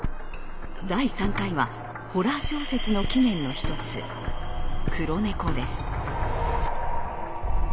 第３回はホラー小説の起源の一つ「黒猫」です。